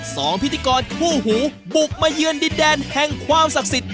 พิธีกรคู่หูบุกมาเยือนดินแดนแห่งความศักดิ์สิทธิ